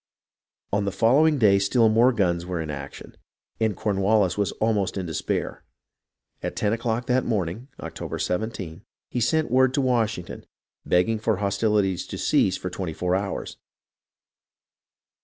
On the following day still more guns were in action, and Cornwallis was almost in despair. At ten o'clock that morning (October 17) he sent word to Washington, begging for hostilities to cease for twenty four hours.